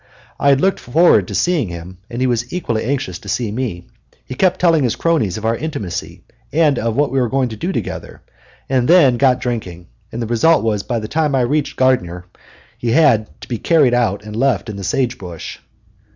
I had looked forward to seeing him, and he was equally anxious to see me. He kept telling his cronies of our intimacy and of what we were going to do together, and then got drinking; and the result was that by the time I reached Gardiner he had to be carried out and left in the sage brush.